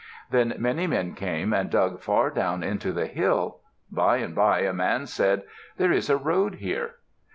Then many men came and dug far down into the hill. By and by a man said, "There is a road here."